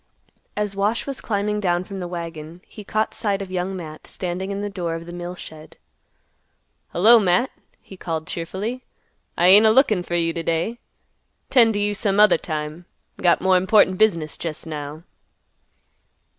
As Wash was climbing down from the wagon, he caught sight of Young Matt standing in the door of the mill shed. "Hello, Matt," he called cheerfully; "I ain't a lookin' fer you t' day; 'tend t' you some other time. Got more important business jest now."